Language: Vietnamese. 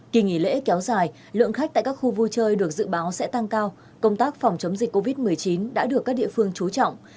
kỳ nghỉ lễ kéo dài lượng khách tại các khu vui chơi được dự báo sẽ tăng cao công tác phòng chống dịch covid một mươi chín đã được các địa phương trú trọng